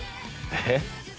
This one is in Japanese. えっ？